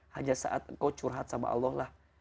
hanya saat engkau curhat sama allah lah